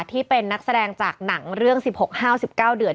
ที่เป็นนักแสดงจากหนังเรื่อง๑๖๕๑๙เดือน